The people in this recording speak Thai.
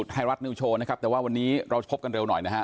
ไทยรัฐนิวโชว์นะครับแต่ว่าวันนี้เราจะพบกันเร็วหน่อยนะฮะ